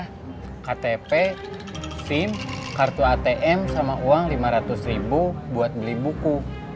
ada ktp sim kartu atm sama uang lima ratus ribu buat beli buku